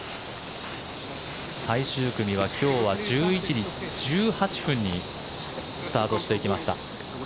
最終組は今日は１１時１８分にスタートしていきました。